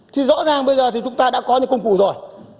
thì rõ ràng bây giờ thì chúng ta đã có những công cụ rồi